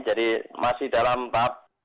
jadi masih dalam bab